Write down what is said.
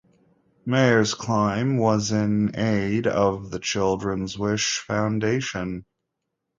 Meyer's climb was in aid of the Children's Wish Foundation.